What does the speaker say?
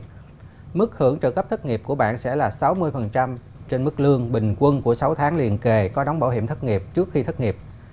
mức hưởng trợ cấp thất nghiệp của bạn sẽ là sáu mươi trên mức lương bình quân của sáu tháng liên kề có đóng bảo hiểm thất nghiệp trước khi thất nghiệp